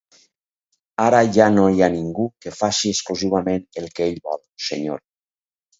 Ara ja no hi ha ningú que faci exclusivament el que ell vol, senyor.